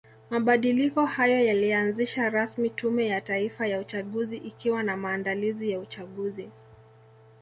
Mabadiliko hayo yalianzisha rasmi tume ya Taifa ya uchaguzi ikiwa ni maandalizi ya uchaguzi